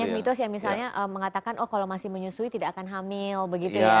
banyak mitos yang misalnya mengatakan oh kalau masih menyusui tidak akan hamil begitu ya